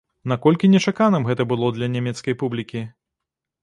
Наколькі нечаканым гэта было для нямецкай публікі?